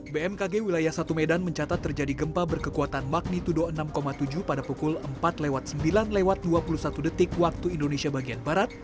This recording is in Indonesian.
bmkg wilayah satu medan mencatat terjadi gempa berkekuatan magnitudo enam tujuh pada pukul empat sembilan lewat dua puluh satu detik waktu indonesia bagian barat